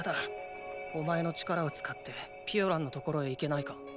お前の力を使ってピオランの所へ行けないか？